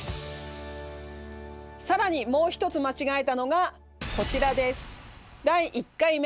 更にもう一つ間違えたのがこちらです。